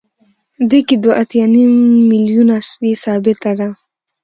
دې کې دوه اتیا نیم میلیونه یې ثابته ده